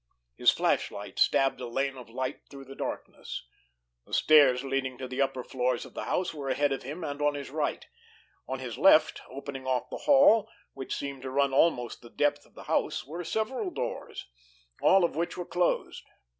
His flashlight stabbed a lane of light through the darkness. The stairs leading to the upper floors of the house were ahead of him and on his right; on his left, opening off the hall, which seemed to run almost the depth of the house, were several doors, all of which were closed.